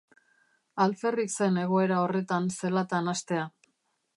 Alferrik zen egoera horretan zelatan hastea.